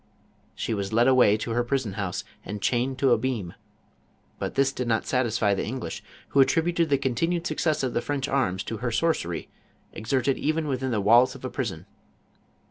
She was led away to her prison house and chained to a beam ; but this did not satisfy the English, who at tributed the continued success of the French arms to her sorcery, exerted even within the walls of a prison.